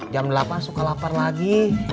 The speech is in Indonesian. jam delapan suka lapar lagi